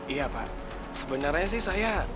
iya pak sebenarnya sih saya